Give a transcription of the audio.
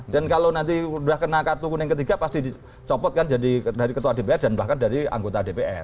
dan kalau nanti sudah kena kartu kuning ketiga pasti dicopot kan jadi dari ketua dpr dan bahkan dari anggota dpr